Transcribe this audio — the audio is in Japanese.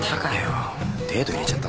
デート入れちゃったんだけど。